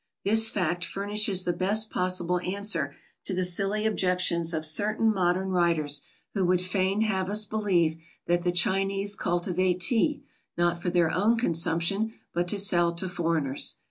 This fact furnishes the best possible answer to the silly objections of certain modern writers who would fain have us believe that the Chinese cultivate Tea, not for their own consumption, but to sell to foreigners.